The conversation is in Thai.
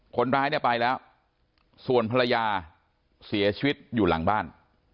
คนร้ายเนี่ยไปแล้วส่วนภรรยาเสียชีวิตอยู่หลังบ้าน